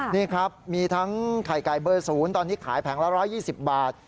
นี่ครับมีทั้งไข่ไก่เบอร์๐ตอนนี้ขายแผงละ๑๒๐บาท